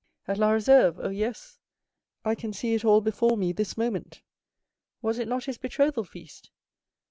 "At La Réserve! Oh, yes; I can see it all before me this moment." "Was it not his betrothal feast?"